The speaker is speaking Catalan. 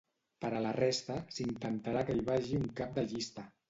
Per a la resta, s’intentarà que hi vagi un cap de llista.